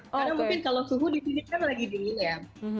karena mungkin kalau suhu di sini kan lagi dingin ya